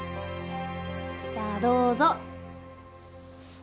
じゃあどうぞ。